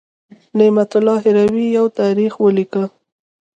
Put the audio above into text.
نعمت الله هروي یو تاریخ ولیکه.